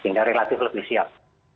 sehingga relatif lebih siap